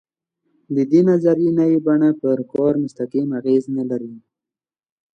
د دې نظریې نوې بڼه پر کار مستقیم اغېز نه لري.